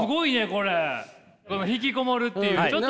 この引きこもるっていう。